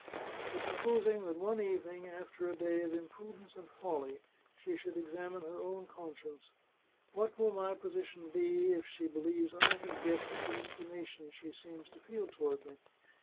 But supposing that one evening, after a day of imprudence and folly, she should examine her own conscience ! What will my position be if she believes I have guessed at the inclination she seems to feel toward me